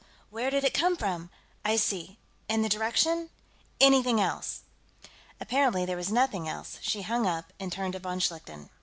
Well, where did it come from?... I see. And the direction?... Anything else?" Apparently there was nothing else. She hung up, and turned to von Schlichten.